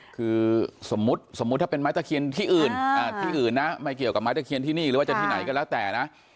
คือสมมุติสมมุติถ้าเป็นไม้ตะเคียนที่อื่นที่อื่นนะไม่เกี่ยวกับไม้ตะเคียนที่นี่หรือว่าจะที่ไหนก็แล้วแต่นะ